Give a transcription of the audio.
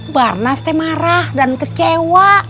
barnas teh marah dan kecewa